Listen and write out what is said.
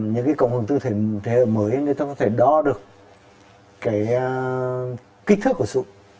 những cái cộng hồng tư thể hợp mới người ta có thể đo được cái kích thước của sụn